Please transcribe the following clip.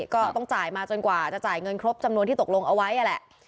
ก็ต้องจ่ายมาจนกว่าจะจ่ายเงินครบจำนวนที่ตกลงเอาไว้นั่นแหละ